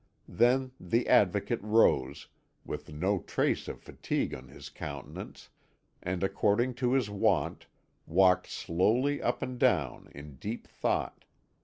Then the Advocate rose, with no trace of fatigue on his countenance, and according to his wont, walked slowly up and down in deep thought.